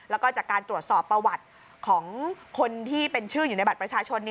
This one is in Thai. แล้วก็จากการตรวจสอบประวัติของคนที่เป็นชื่ออยู่ในบัตรประชาชน